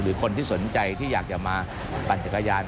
คนที่สนใจที่อยากจะมาปั่นจักรยาน